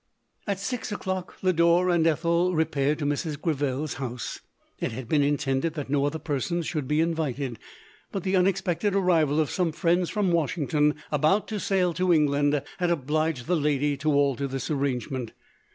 At six o'clock Lodore and Ethel repaired to Mrs. Greville's bouse. It had been intended that no other persons should be invited, but the unexpected arrival of some friends from Wash ington, about to sail to England, had obliged the lady to alter this arrangement.